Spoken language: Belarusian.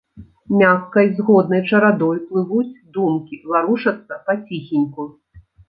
Мяккай, згоднай чарадой плывуць думкі, варушацца паціхеньку.